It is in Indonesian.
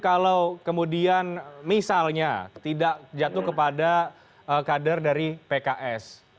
kalau kemudian misalnya tidak jatuh kepada kader dari pks